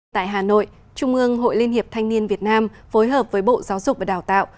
tại hà nội trung ương hội liên hiệp thanh niên việt nam phối hợp với bộ giáo dục và đào tạo